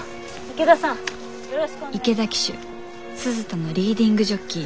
池田騎手鈴田のリーディングジョッキー